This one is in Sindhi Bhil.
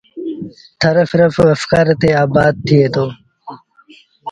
ٿر سرڦ وسڪآري تي آبآد ٿئي دو۔